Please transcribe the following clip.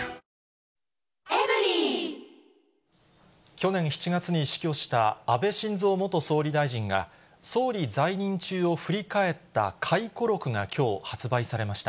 去年７月に死去した安倍晋三元総理大臣が、総理在任中を振り返った回顧録がきょう、発売されました。